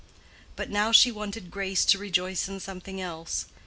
But now she wanted grace to rejoice in something else.